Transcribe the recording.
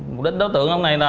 mục đích đối tượng ông này